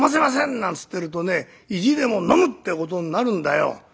なんつってるとね意地でも『飲む！』ってことになるんだよ」。